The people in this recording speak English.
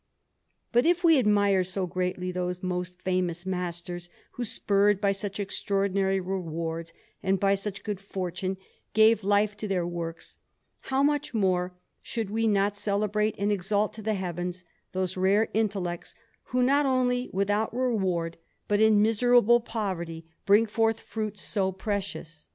But if we admire so greatly those most famous masters who, spurred by such extraordinary rewards and by such good fortune, gave life to their works, how much more should we not celebrate and exalt to the heavens those rare intellects who, not only without reward, but in miserable poverty, bring forth fruits so precious?